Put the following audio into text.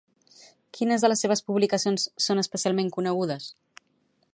Quines de les seves publicacions són especialment conegudes?